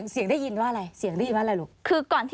เสียงได้ยินว่าอะไรเสียงได้ยินว่าอะไรลุง